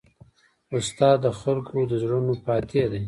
استاد د خلکو د زړونو فاتح دی.